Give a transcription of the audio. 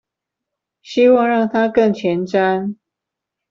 希望讓他更前瞻